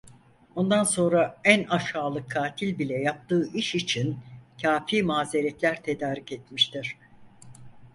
Ondan sonra en aşağılık katil bile yaptığı iş için kafi mazeretler tedarik etmiştir.